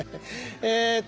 えっと